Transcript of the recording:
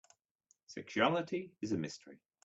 Sexuality is a mystery.